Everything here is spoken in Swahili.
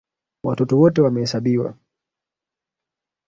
Watoto wote wamehesabiwa.